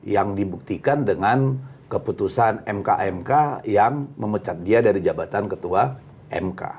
yang dibuktikan dengan keputusan mk mk yang memecat dia dari jabatan ketua mk